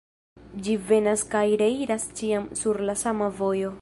Ĝi venas kaj reiras ĉiam sur la sama vojo.